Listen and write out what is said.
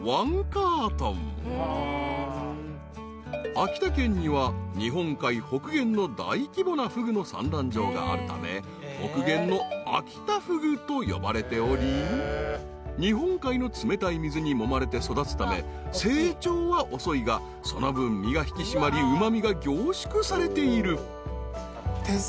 ［秋田県には日本海北限の大規模なふぐの産卵場があるため北限の秋田ふぐと呼ばれており日本海の冷たい水にもまれて育つため成長は遅いがその分身が引き締まりうま味が凝縮されている］